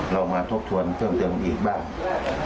เรามาทบทวนเพิ่มเติมอีกบ้าง